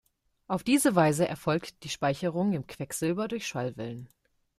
Auf diese Weise erfolgt die Speicherung im Quecksilber durch Schallwellen.